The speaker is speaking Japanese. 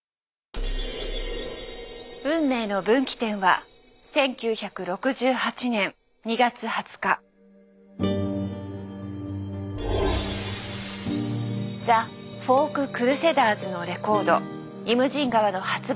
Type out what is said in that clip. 運命の分岐点はザ・フォーク・クルセダーズのレコード「イムジン河」の発売